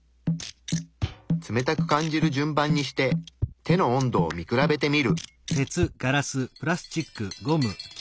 冷たく感じる順番にして手の温度を見比べてみる。